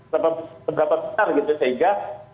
seberapa besar gitu sehingga